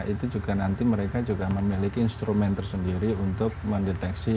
itu juga nanti mereka juga memiliki instrumen tersendiri untuk mendeteksi